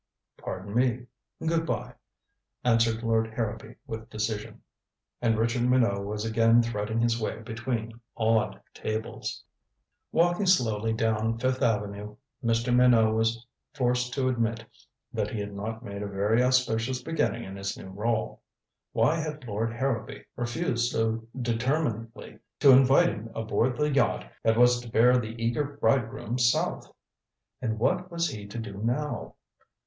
"Pardon me good by," answered Lord Harrowby with decision. And Richard Minot was again threading his way between awed tables. Walking slowly down Fifth Avenue, Mr. Minot was forced to admit that he had not made a very auspicious beginning in his new role. Why had Lord Harrowby refused so determinedly to invite him aboard the yacht that was to bear the eager bridegroom south? And what was he to do now?